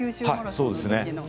そうです。